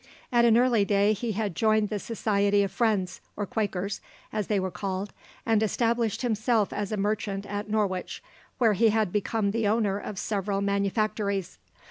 At an early day he had joined the Society of Friends, or Quakers, as they were called, and established himself as a merchant at Norwich, where he became the owner of several manufactories.